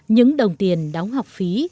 những đồng tiền đóng học phí